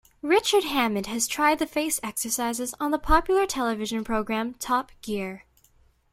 Richard Hammond has tried the face exercises on the popular television program Top Gear.